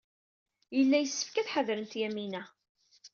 Yella yessefk ad ḥadrent Yamina.